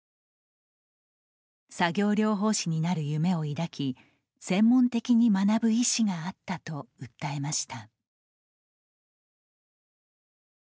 作業療法士になる夢を抱き専門的に学ぶ意思があったと訴えました。